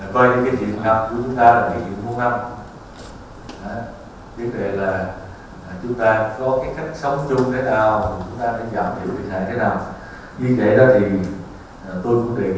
coi những cái diện tạo của chúng ta là những cái diện tạo của chúng ta